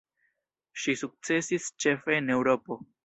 Ŝi sukcesis ĉefe en Eŭropo.